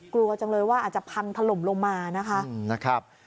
กลัวจังเลยว่าอาจจะพังถล่มลงมานะคะ